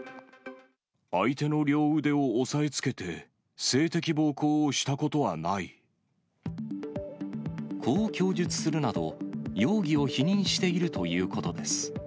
相手の両腕を押さえつけて、こう供述するなど、容疑を否認しているということです。